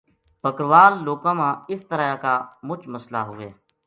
بکروال لوکاں اس طرحیا کا مچ مسلہ ہووے